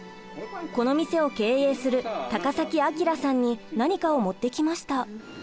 この店を経営する高崎明さんに何かを持ってきました。